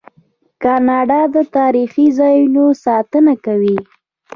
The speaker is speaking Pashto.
کاناډا د تاریخي ځایونو ساتنه کوي.